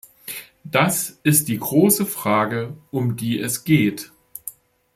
Das ist die große Frage, um die es geht.